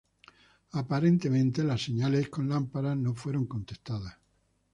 Aparentemente las señales con lámpara no fueron contestadas.